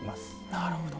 なるほど。